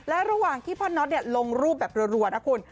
แล้วระหว่างพ่อน๊อตลงรูปแบบเรียบนะคุณ